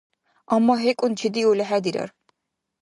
Амма гьекӀун чедиули хӀедирар.